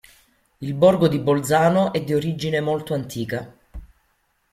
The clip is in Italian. Il borgo di Bolzano è di origine molto antica.